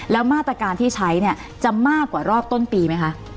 แล้วมาตรการที่ใช้เนี่ยจะมากกว่ารอบต้นปีไหมคะ